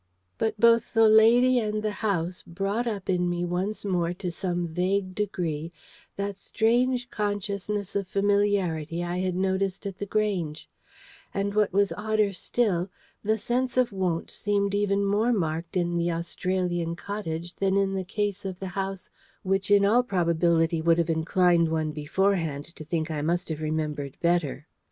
But both lady and house brought up in me once more to some vague degree that strange consciousness of familiarity I had noticed at The Grange: and what was odder still, the sense of wont seemed even more marked in the Australian cottage than in the case of the house which all probability would have inclined one beforehand to think I must have remembered better.